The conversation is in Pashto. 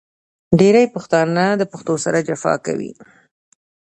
ډېری پښتانه د پښتو سره جفا کوي .